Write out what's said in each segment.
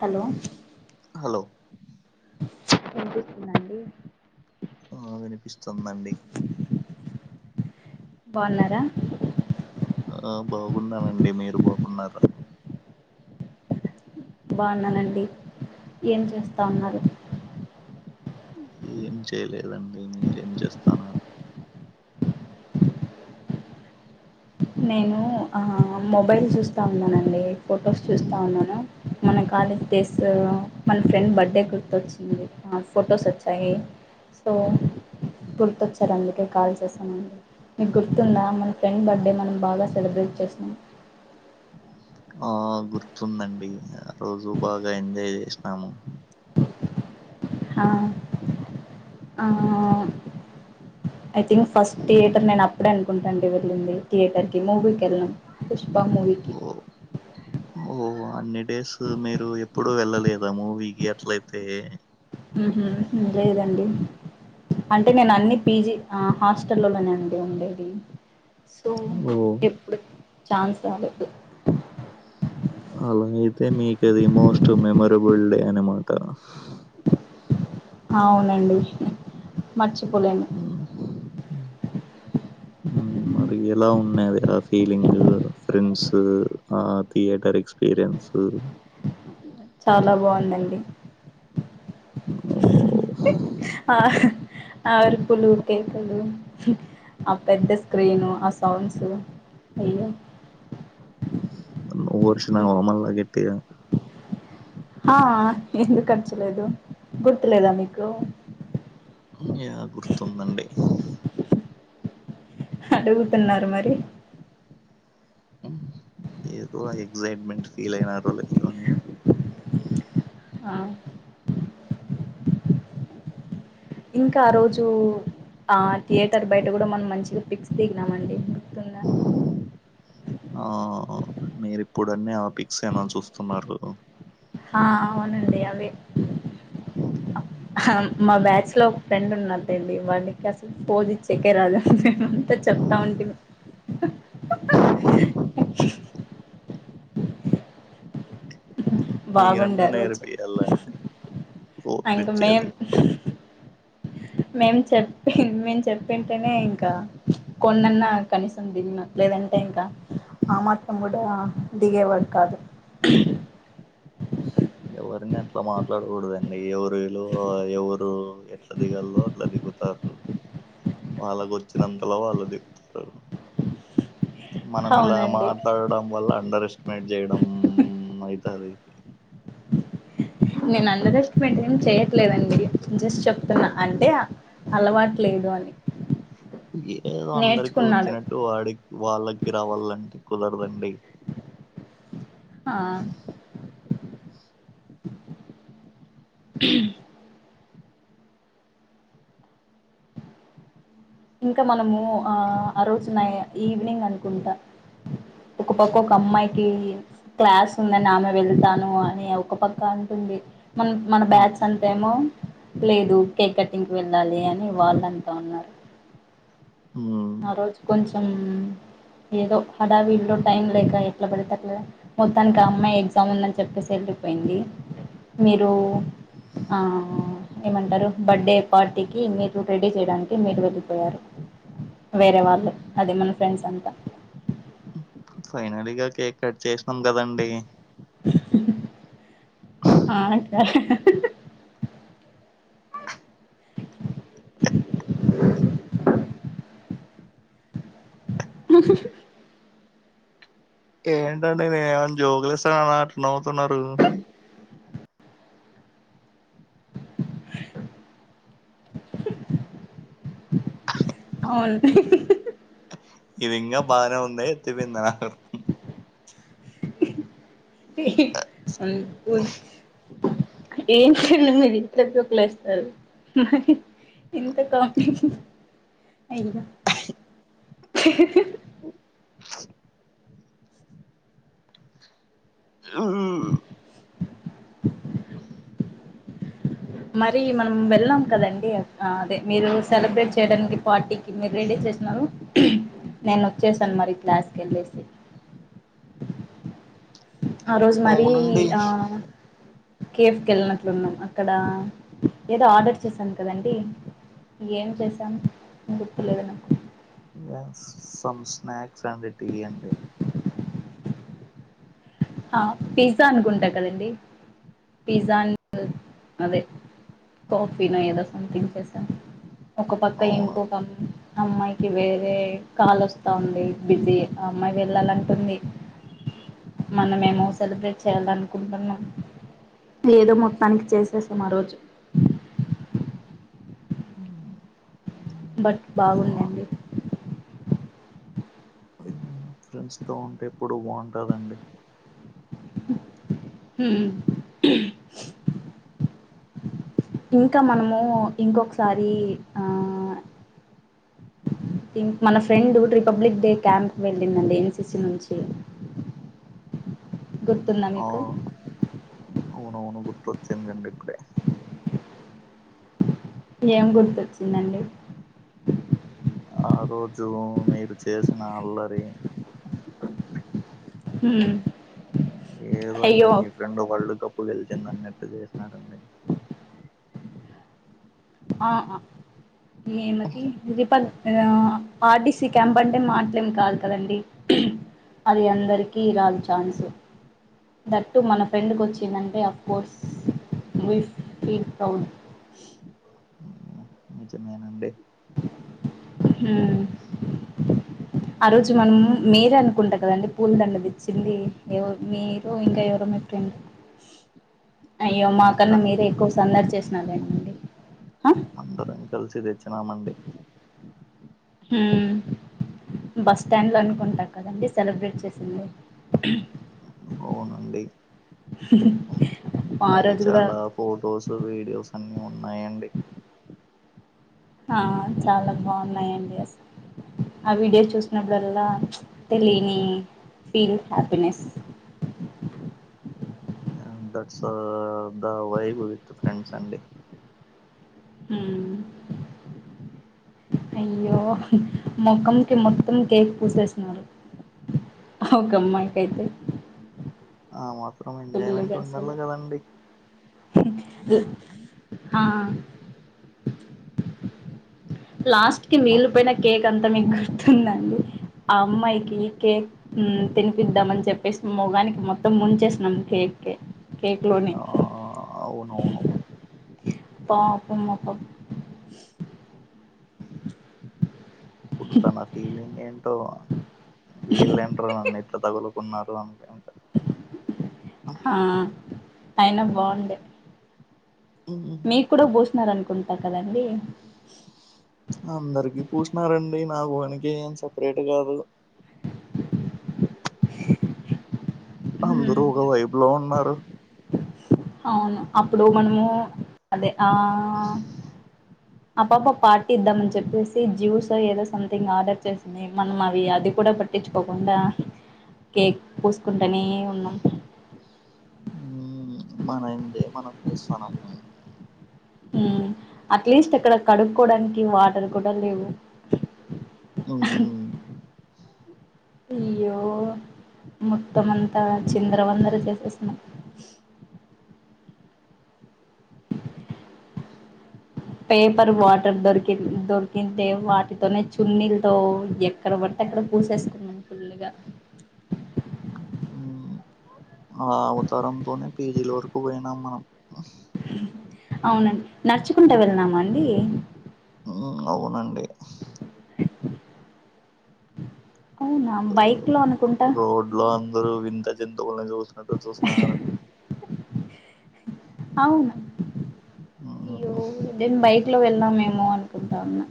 Hello hello వినిపిస్తుందా అండి ఆ వినిపిస్తుందండి బావున్నారా ఆ బాగున్నామండి మీరు బాగున్నారా బావున్నానండి ఏం చేస్తా ఉన్నారు. ఏం చేయలేదండి మీరేం చేస్తాన్నారు నేను హ మొబైల్ చూస్తా ఉన్నానండి. ఫొటోస్ చూస్తా ఉన్నాను. మన కాలేజ్ డేస్ మన ఫ్రెండ్ బర్త్డే గుర్తొచ్చింది. ఫొటోస్ వచ్చాయి సో గుర్తొచ్చారు అందుకే కాల్ చేసామండి. మీకు గుర్తుందా మన ఫ్రెండ్ బర్త్డే మనం బాగా సెలబ్రేట్ చేసినం. ఆ గుర్తుందండి ఆ రోజు బాగా ఎంజాయ్ చేసినాము. హా ఆఆ ఐ థింక్ ఫస్ట్ ధియేటర్ నేను ఇప్పుడు అనుకుంటుండి వెళ్ళింది థియేటర్కి మూవీకి వెళ్ళం పుష్పా మూవీకి ఓ ఓ అన్ని డేస్ మీరు ఎప్పుడూ వెళ్ళలేదా మూవీకి అట్లయితే ఉహూ లేదండి అంటే నేను అన్ని పీజీ హాస్టల్లోలోనేండి ఉండేది సో ఓ ఎప్పుడు చాన్స్ రాలేదు అలా అయితే మీక అది మోస్ట్ మెమొరెబుల్ డే అనమాట అవునండి మచి మ్మ్. మరి ఎలా ఉన్నది ఆ ఫీలింగ్ ఫ్రెండ్స్ ఆ థియేటర్ ఎక్స్పీరియన్స్ చాలా బాగుందండి ఓ ఆ ఆ అరుపులు కేకలు ఆ పెద్ద స్క్రీను ఆ సౌండ్స్ అయ నువ్వు వరిసినవా మళ్ళ గట్టిగా ఆ ఎందుకు అర్చలేదు గుర్తులేదా మీకు యా గుర్తుందండి అడుగుతున్నారు మరి ఏదో ఎక్సైట్మెంట్ ఫీల్ అయినారో లేదో అని ఆ ఇంకా ఆ రోజు ఆ థియేటర్ బయట కూడా మనం మంచిగా ఫిక్స్ దిగినామండి గుర్తుందా అవును మీరి ఇప్పుడు అన్ని ఆపిక్స్ ఏమ చూస్తున్నారు కదా హ అవునండి అవే [unintelligible] మా బ్యాచ్ లో ఫ్రెండ్ ఉన్నాటండి వాళ్ళకి అసలు పోజచ్చేకే రాదు మే అంతా చెప్తా ఉంటే బాగుండే మీరన్నా ఆరోజు నేర్పియాలా అండి ఫోటోలు ఇంక మేం ఇచ్చేది మేం చెప్పి మేము చెప్పింటేనే ఇంకా కొన్నన్నా కనీసం దిగినం లేదంటే ఇంకా ఆ మాత్రం కూడా దిగేవాడు కాదు ఎవరిని అట్లా మాట్లాడకూడదండి ఎవరు వే లో ఎవరు ఎట్లా దిగాలో అట్లా దిగు తారు వాళ్ళకు వచ్చినంతలో వాళ్ళు దికుతారు మనం ఇలా అవునండి మాట్లాడడం వల్ల అండర్ ఎస్టిమేట్ చేయడం అయితది నేను ఉండరెస్టిమేట్ ఏం చేయట్లేదండి జస్ట్ చెప్తున్నా అంటే అలవాటులేదు అని ఏదో అందరికి నేర్చుకున్నాడు వచ్చినట్టు వాడి వాళ్ళకి రావాలంటే కుదరదండి హ ఇంక మనము ఆ ఆ రోజు నై ఈవినింగ్ అనుకుంట ఒక పక్క ఒక అమ్మాయికి క్లాస్ ఉందని ఆమె వెళ్తాను అని ఒక పక్క అంటుంది మన మన ఉమ్ బ్యాచ్ అంతేమో లేదు కేక్ కటింగ్కి వెళ్ళాలి అని వాళ్ళు అంటా ఉన్నారు ఉమ్ ఆ రోజు కొంచెం ఏదో హడావిడిలో టైం లేక ఎట్ల పడితే అట్ల మొత్తానికి ఆ అమ్మాయి ఎగ్జామ్ ఉందని చెప్పేసి వెళ్ళిపోయింది మీరు ఆ ఏమంటరు బర్త్డే పార్టీకి మీరు రెడీ చేయడానికి మీరు వెళ్ళిపోయారు వేరే వాళ్ళు అదే మన ఫ్రెండ్స్ అంతా ఫైనల్గా కేక్ కట్ చేసినం కదండి ఆ ఏంటండి నేనే ఏమనా జోకులు ఏస్తున్నానా అట్ల నవ్వుతున్నరు అవును [unintelligible] బానే ఉంది [unintelligible] అ ఏంటండీ మీరు ఇట్ల జోకులు ఏస్తున్నారు మరి ఇంత కామెడీ అయ్యా ఉమ్, మరి మనం వెళ్ళాం కదండి అదే మీరు సెలబ్రేట్ చేయడానికి పార్టీకి మీరు రెడీ చేసినరు నేను వచ్చేసాను మళ్ళి క్లాస్కి వెళ్ళేసి ఆ రోజు మరీ అవునండి ఆ కేఫ్కి వెళ్ళినట్లు ఉన్నాం అక్కడ ఏదో ఆర్డర్ చేశాం కదండి ఏం చేసాం గుర్తులేదు నాకు ఇగ సమ్ స్నాక్స్ అండి టీ అండి ఆ పిజ్జా అనుకుంట కదండి పిజ్జా అదే కాఫీ నో ఏదో సమ్థింగ్ చేసాం ఒక పక్క అవును ఇంకొక అమ్ అమ్మాయి వేరే కాల్ వస్తా ఉంది బిజీ ఆ అమ్మాయి వెళ్ళాలంటుంది మనం ఏమో సెలబ్రేట్ చేయాలనుకుంటున్నాం ఏదో మొత్తానికైతే చేసేసాం ఆ రోజు ఉమ్ బట్ బాగుందండి ఫ్రెండ్స్ తో ఉంటే ఎప్పుడు బాగుంటారండి హ్మ్ ఇంకా మనము ఇంకొకసారి ఆ మన ఫ్రెండ్ రిపబ్లిక్ డే క్యాంప్ వెళ్ళిందండి ఎన్సిసి నుంచి గుర్తుందా ఆ మీకు అవునవును గుర్తొచ్చిందండి ఇప్పుడే ఏం గుర్తొచ్చిందండి ఆ రోజు మీరు చేసిన అల్లరి హ్మ్ ఏదో ఇంగ అయ్యో మీ ఫ్రెండ్ వరల్డ్ కప్ గెలిచిందన్నట్టు చేసినారండి ఆ ఏమది రిపబ్ ఆర్టీసీ క్యాంప్ అంటే మాటలేం కాదు కదండి అది అందరికి రాదు ఛాన్సు దట్టు మన ఫ్రెండ్కి వచ్చిందంటే of course we feel proud నిజమేనండి హ ఆ రోజు మనం మీరే అనుకుంట కదండి పూల దండనిచ్చింది ఏవో మీరు ఇంకా ఎవరో మీ ఫ్రెండ్ అయ్యో మా కన్న అంతరం మీరే ఎక్కువ సందడి చేసినారులేండి అందరంకుల్స్ దే చ్చినమండి బస్ స్టాండ్ లో అనుకుంటా కదండి సెలబ్రేట్ చేసింది అవునండి ఆ అవి రోజు కూడా చాలా ఫొటోస్ వీడియోస్ అన్నీ ఉన్నాయండి ఆ చాలా బాగున్నాయండి అస్ ఆ వీడియోస్ చూసినప్పుడల్లా తెలియని feel happiness that's the why with friends అండి హు అయ్యో మొఖంకి మొత్తం కేక్ పూసేసినరు ఓకమైకైతే ఆ మత్ త్రం ఎంజాయ్మెంట్ ఉండాలి కదండి ల్ ఆ లాస్ట్ కి ఆ వీగిలిపోయిన కేక్ అంతా మీక్ తుందండి ఆ అమ్మాయికి కేక్ హు తినిపిద్దాం అని చెప్పేసి మొగానికి మొత్తం ముంచేసినం కేక్ కే ఆ ఆ అవునవును పాపం ఆ పాప్ అప్పుడు తన ఫీలింగ్ ఏంట్ టో విలెంట్రా నన్నిట్ తగులుకున్నారు అంతే ఆ అయినా బాగుండే మీక్కూడా బోస్ న్నరనుకుంటారు కదండి అందరికి పూసినారండి నా ఒకనికి ఏం సపరేట్ కాదు అందరు ఒక వైబ్లో ఉన్నారు అవును అప్పుడు మనము అదే ఆ ఆ పాప పార్టీ ఇద్దామని చెప్పేసి జ్యూస్ ఏదో సంథింగ్ ఆర్డర్ చేసింది మనం అవి అది కూడా పట్టించుకోకుండా కేక్ పూసుకుంటనే ఉన్నాం ఉ మన ఎంజాయ్ మనం చేస్తానము అట్లీస్ట్ అక్కడ కడుక్కోడానికి వాటర్ కూడా లేవు అయ్యో మొత్తమంతా చిందర వందర చేసేసిన్నాం పేపర్ వాటర్ దొరికి దొరికితే వాటితోనే చున్నీలతో ఎక్కడ పడితే అక్కడ పూసేసుకున్నాం ఫుల్గా ఆ అవతారం లోనే పీజ లోరు. ఉహేనం మనం. అవునండి, నడుచుకుంటా వెళ్లిన మా అండి. అ అవునండి. అవునా బైక్ లో అనుకుంటా. జంతువులని చూసినట్టు చూస్తున్నా రండి. అవును. ఉమ్ య్యోదేం బైక్. ఇట్లో వెళ్ళినం అనుకుంటా ఉన్నా.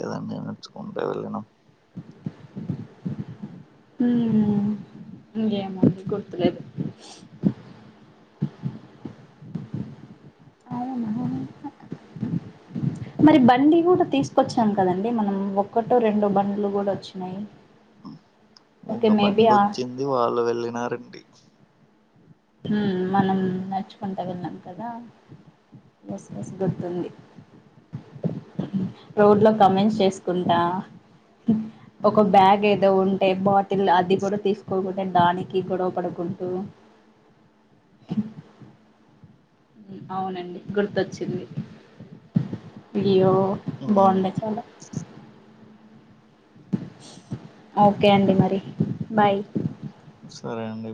ఇలానే నడుచుకుంటా వెళ్ళినం. ఊమ్ ఉ యేమో గుర్తు లేదు. అవునా. మరి బండి కూడా తీసుకొచ్చాం కదండి మనం, ఒక్కటో రెండో బండ్లు కూడా వొచ్చినాయి. ఒక బందోచింది, వాళ్ళు వెళ్ళినారండి. ఉమ్ మనం నడుచుకుంటా వెళ్ళినం కదా, బస్ బస్ గుర్తుంది, రోడ్ లో కమెన్స్ చేసుకుంటా, ఒక బ్యాగ్ ఏదో ఉంటే బాటిల్ అది కూడా తీసుకోకుంట దానికి గొడవ పడుకుంటూ. అవునండి గుర్తొచ్చింది, ఇయ్యో బాగున్నాయ్ చాలా. ఓకే అండి, మరి బాయ్. సరే అండి.